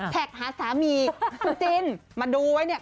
แท็กหาสามีจิ้นมาดูไว้เนี่ย